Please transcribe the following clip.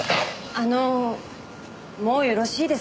あのもうよろしいですか？